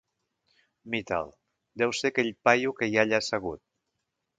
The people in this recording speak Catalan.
Mite'l, deu ser aquell paio que hi ha allà assegut.